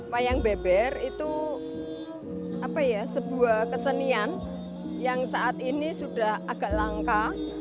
wayang beber itu sebuah kesenian yang saat ini sudah agak langka